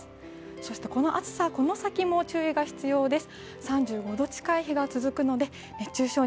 そしてこの暑さ、この先も注意が必要です。